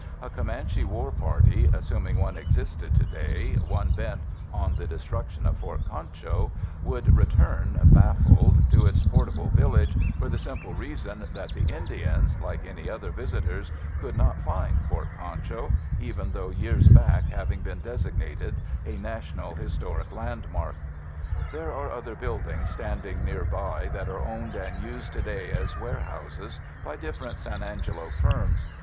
A Comanche war party (assuming one existed today, one bent on the destruction of Fort Concho) would return baffled to its portable village for the simple reason that the Indians, like any other visitors, could not find Fort Concho, even though years back having been designated a National Historic Landmark. There are other fort buildings standing nearby that are owned and used today as warehouses by different San Angelo firms.